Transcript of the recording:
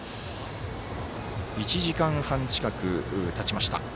１時間半近く、たちました。